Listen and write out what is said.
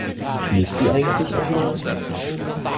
Schläfst du eigentlich auch mal?